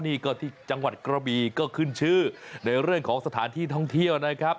นี่ก็ที่จังหวัดกระบีก็ขึ้นชื่อในเรื่องของสถานที่ท่องเที่ยวนะครับ